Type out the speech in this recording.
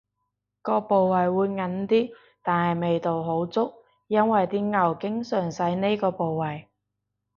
個部位會硬啲，但係味道好足，因爲啲牛經常使呢個部位